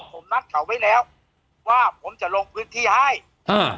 ผมนัดเขาไว้แล้วว่าผมจะลงพื้นที่ให้อ่า